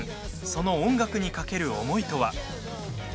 その音楽に懸ける思いとは。